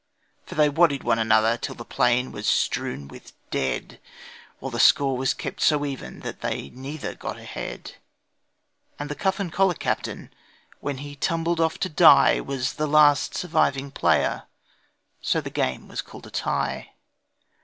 For they waddied one another till the plain was strewn with dead, While the score was kept so even that they neither got ahead. And the Cuff and Collar Captain, when he tumbled off to die, Was the last surviving player so the game was called a tie.